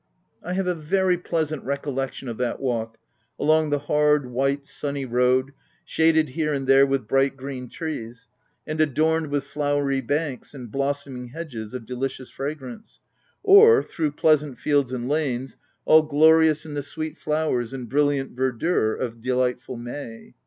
I have a very pleasant recollection of that walk, along the hard, white, sunny road, shaded here and there with bright, green trees, and adorned with flowery banks and blossoming hedges of delicious fragrance ; or through plea sant fields and lanes, all glorious in the sweet flowers, and brilliant verdure of delightful May.